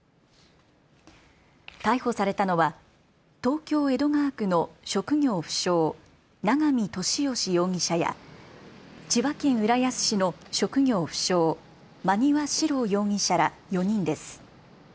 逮捕されたのは東京江戸川区の職業不詳、永見俊義容疑者や千葉県浦安市の職業不詳、馬庭史郎容疑者ら４人です。